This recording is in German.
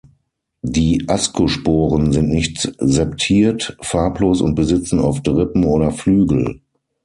Die Ascosporen sind nicht septiert, farblos und besitzen oft Rippen oder Flügel.